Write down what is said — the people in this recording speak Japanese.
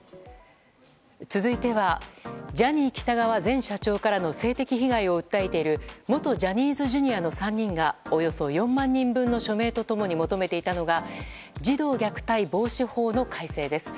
続いてはジャニー喜多川前社長からの性的被害を訴えている元ジャニーズＪｒ．の３人がおよそ４万人分の署名と共に求めていたのが児童虐待防止法の改正です。